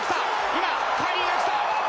今カーリーが来た！